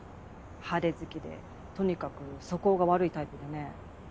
派手好きでとにかく素行が悪いタイプでねえ。